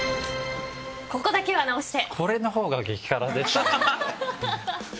ここだけは直して！